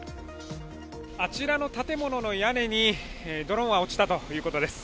あちらの建物の屋根にドローンは落ちたということです。